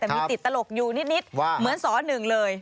แต่มีติดตลกอยู่นิดเหมือนสหนึ่งเลย